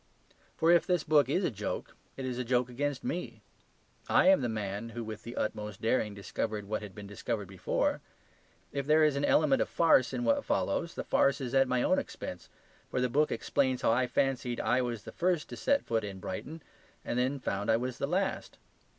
For if this book is a joke it is a joke against me. I am the man who with the utmost daring discovered what had been discovered before. If there is an element of farce in what follows, the farce is at my own expense; for this book explains how I fancied I was the first to set foot in Brighton and then found I was the last.